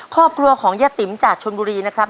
ครอบครัวของยะติ๋มจากชนบุรีนะครับ